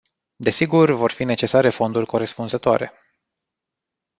Desigur, vor fi necesare fonduri corespunzătoare.